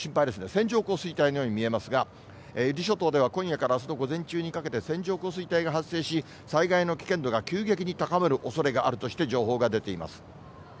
線状降水帯のように見えますが、伊豆諸島では今夜からあすの午前中にかけて、線状降水帯が発生し、災害の危険度が急激に高まるおそれがあるとして情報が出ています。